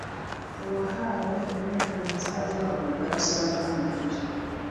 Uwahawe uburenganzira bwo gusaka